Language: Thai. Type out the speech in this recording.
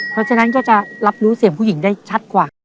เพราะฉะนั้นก็จะรับรู้เสียงผู้หญิงได้ชัดกว่า